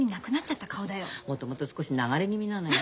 もともと少し流れ気味なのよ。